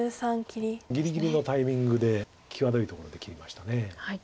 ぎりぎりのタイミングで際どいところで切りました。